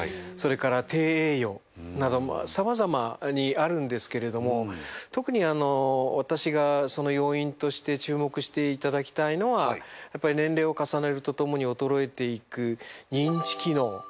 それから低栄養などさまざまにあるんですけれども特に私がその要因として注目していただきたいのはやっぱり年齢を重ねるとともに衰えていく認知機能。